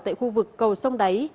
tại khu vực cầu sông đáy